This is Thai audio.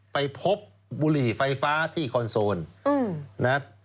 ไปพบบุหรี่ไฟฟ้าที่คอนโซลนะ